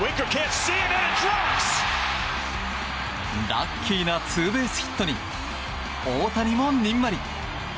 ラッキーなツーベースヒットに大谷もにんまり。